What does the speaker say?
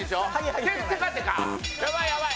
やばいやばい。